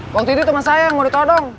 waktu itu temen saya yang mau ditodong